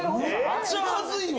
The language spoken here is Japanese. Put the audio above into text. めっちゃ恥ずいわ！